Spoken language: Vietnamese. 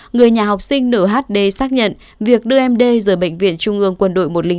người nhà học sinh nữ hd xác nhận việc đưa em đê rời bệnh viện trung ương quân đội một trăm linh tám